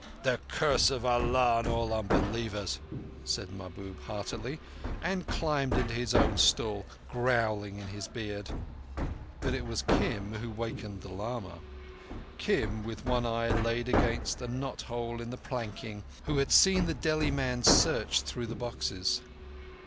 "The curse of Allah on all unbelievers!" said Mahbub heartily, and climbed into his own stall, growling in his beard. But it was Kim who had wakened the lama—Kim with one eye laid against a knot hole in the planking, who had seen the Delhi man's search through the boxes.